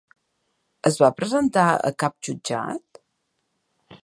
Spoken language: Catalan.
Es va presentar a cap jutjat?